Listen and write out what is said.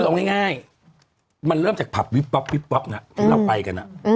คือเอาง่ายมันเริ่มจากผับวิบป๊อปน่ะถึงเราไปกัน